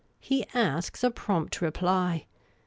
He asks a prompt repl}'.